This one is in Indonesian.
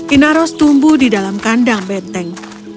inaros tumbuh di dalam kandang benteng